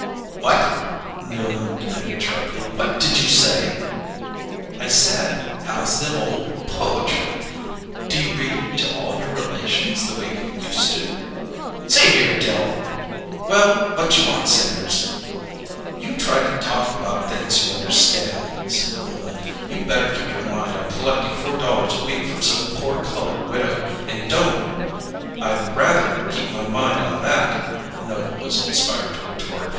"What?" Newland demanded sharply. "What did you say?" "I said: 'How's the ole poetry?' Do you read it to all your relations the way you used to?" "See here, Dill!" "Well, what you want, Sanders?" "You try to talk about things you understand," said Newland. "You better keep your mind on collecting four dollars a week from some poor coloured widow, and don't " "I'd rather keep my mind on that!" Noble was inspired to retort.